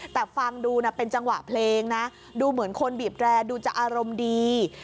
แต่ฟังดูนะเป็นจังหวะเพลงนะดูเหมือนคนบีบแรร์ดูจะอารมณ์ดี